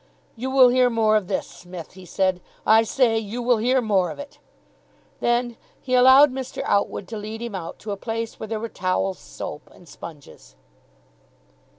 "You will hear more of this, Smith," he said. "I say you will hear more of it." Then he allowed Mr. Outwood to lead him out to a place where there were towels, soap, and sponges.